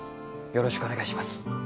よろしくお願いします。